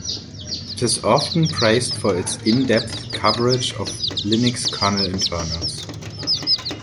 It is often praised for its in-depth coverage of Linux kernel internals.